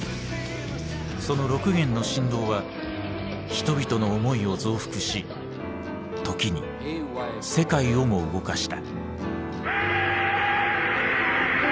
その６弦の振動は人々の思いを増幅し時に世界をも動かした。